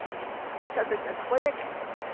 ちょっとちょっとこれだけ。